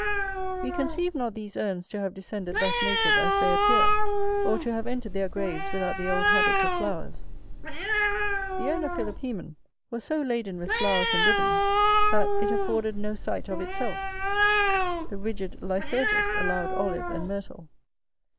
We conceive not these urns to have descended thus naked as they appear, or to have entered their graves without the old habit of flowers. The urn of Philopœmen was so laden with flowers and ribbons, that it afforded no sight of itself. The rigid Lycurgus allowed olive and myrtle.